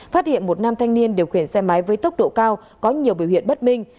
phát hiện một nam thanh niên điều khiển xe máy với tốc độ cao có nhiều biểu hiện bất minh